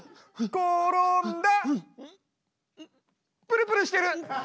プルプルしてる！